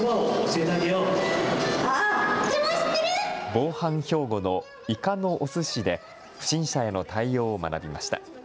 防犯標語のいかのおすしで不審者への対応を学びました。